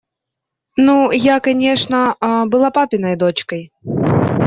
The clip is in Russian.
Но я, конечно, была папиной дочкой.